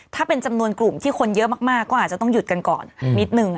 ถ้าเป็นจำนวนกลุ่มที่คนเยอะมากก็อาจจะต้องหยุดกันก่อนนิดนึง